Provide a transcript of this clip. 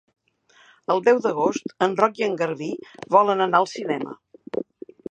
El deu d'agost en Roc i en Garbí volen anar al cinema.